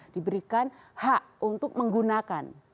diberikan hak untuk menggunakan